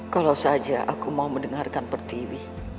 kalau saja aku mau mendengarkan pertiwi